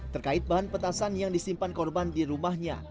terkait bahan petasan yang disimpan korban di rumahnya